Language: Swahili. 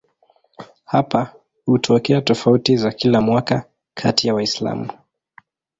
Hapa hutokea tofauti za kila mwaka kati ya Waislamu.